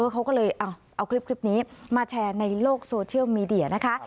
เขาก็เลยเอาคลิปนี้มาแชร์ในโลกโซเชียลมีเดียนะคะ